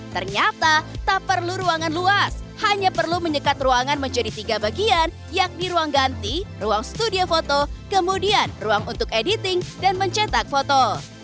ternyata tak perlu ruangan luas hanya perlu menyekat ruangan menjadi tiga bagian yakni ruang ganti ruang studio foto kemudian ruang untuk editing dan mencetak foto